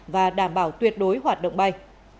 và đảm bảo tuyệt đối hoạt động bay